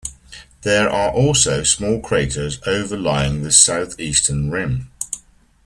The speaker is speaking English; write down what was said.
There are also small craters overlying the southeastern rim.